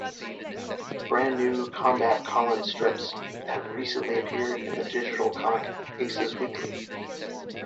Brand new Combat Colin strips have recently appeared in the digital comic Aces Weekly.